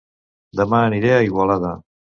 Dema aniré a Igualada